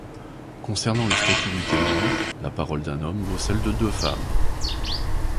Concernant le statut du témoin, la parole d'un homme vaut celles de deux femmes.